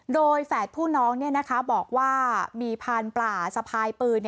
โดยแฝดผู้น้องบอกว่ามีพานปลาสะพายปืน